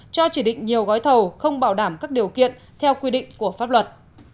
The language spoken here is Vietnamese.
cho chỉ định nhiều gói thầu không bảo đảm các điều kiện theo quy định của pháp luật